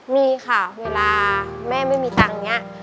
มีค่ะเวลาแม่ไม่มีตังค์เนี่ย